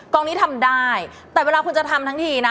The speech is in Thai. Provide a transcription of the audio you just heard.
องนี้ทำได้แต่เวลาคุณจะทำทั้งทีนะ